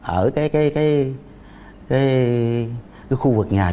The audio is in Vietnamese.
ở khu vực nhà trọ